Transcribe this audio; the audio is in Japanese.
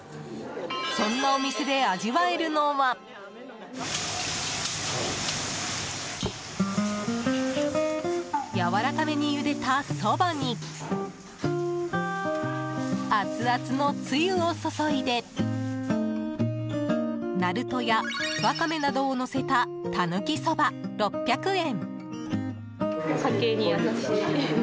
そんなお店で味わえるのはやわらかめにゆでた、そばにアツアツのつゆを注いでなるとやワカメなどをのせたたぬきそば、６００円。